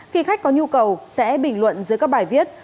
khi khách có nhu cầu sẽ bình luận dưới các bài viết